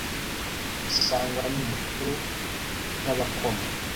bisangwa ni mukuru utabakoma